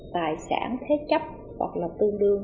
tài sản thế chấp hoặc là tương đương